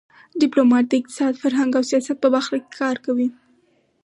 ډيپلومات د اقتصاد، فرهنګ او سیاست په برخه کې کار کوي.